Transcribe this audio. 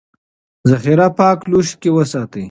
ذخیره پاک لوښي کې وساتئ.